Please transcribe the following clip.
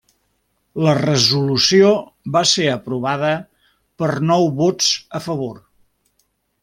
La resolució va ser aprovada per nou vots a favor.